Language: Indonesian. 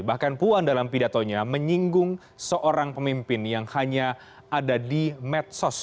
bahkan puan dalam pidatonya menyinggung seorang pemimpin yang hanya ada di medsos